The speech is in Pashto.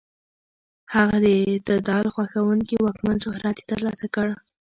هغه د اعتدال خوښونکي واکمن شهرت یې تر لاسه کړ.